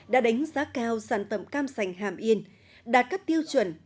đã đánh giá cao sản phẩm cam sành hàm yên đạt các tiêu chuẩn